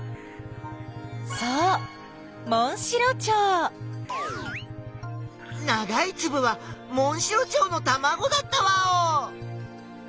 そうながいつぶはモンシロチョウのたまごだったワオ！